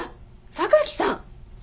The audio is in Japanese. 榊さん！